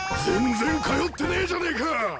全然通ってねえじゃねえか！